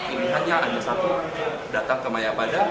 ini hanya satu datang ke mayapada